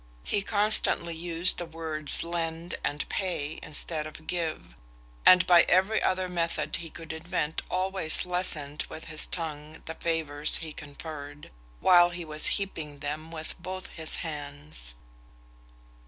He constantly used the words Lend and Pay, instead of Give; and by every other method he could invent, always lessened with his tongue the favours he conferred, while he was heaping them with both his hands.